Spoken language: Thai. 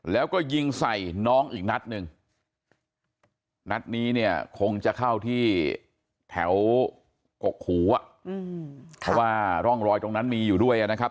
แล้วก็ยิงใส่น้องอีกนัดหนึ่งนัดนี้เนี่ยคงจะเข้าที่แถวกกหูอ่ะเพราะว่าร่องรอยตรงนั้นมีอยู่ด้วยนะครับ